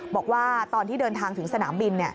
บอกว่าตอนที่เดินทางถึงสนามบิน